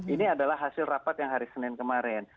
ini adalah hasil rapat yang hari senin kemarin